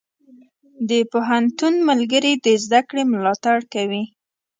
د پوهنتون ملګري د زده کړې ملاتړ کوي.